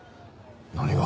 何が？